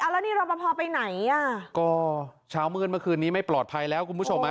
แล้วนี่รอปภไปไหนอ่ะก็เช้ามืดเมื่อคืนนี้ไม่ปลอดภัยแล้วคุณผู้ชมฮะ